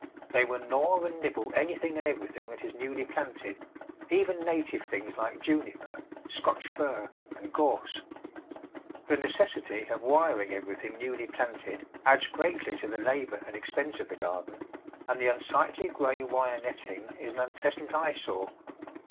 They will gnaw and nibble anything and everything that is newly planted, even native things like Juniper, Scotch Fir, and Gorse. The necessity of wiring everything newly planted adds greatly to the labour and expense of the garden, and the unsightly grey wire netting is an unpleasant eyesore.